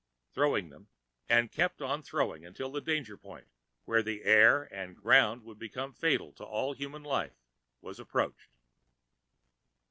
Thrown them and kept on throwing until the danger point, where air and ground would become fatal to all human life, was approached.